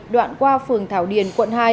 đoạn qua phường thảo điền quận hai